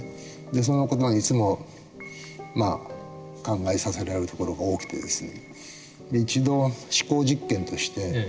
その事にいつも考えさせられるところが多くてですね。